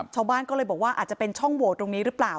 ชาวบ้านก็เลยบอกว่าอาจจะเป็นช่องโหวตตรงนี้หรือเปล่า